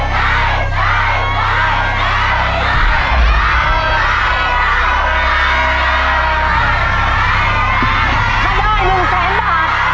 ถ้าได้๑แสนบาทเดี๋ยวเราไปลุ้นเงินล้านกันนะครับ